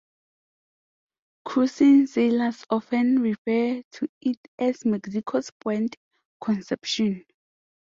Cruising sailors often refer to it as Mexico's Point Conception.